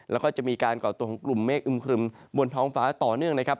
แล้วก็จะมีการก่อตัวของกลุ่มเมฆอึมครึมบนท้องฟ้าต่อเนื่องนะครับ